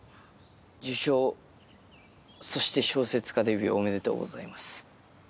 受賞そして小説家デビューおめでとうございます。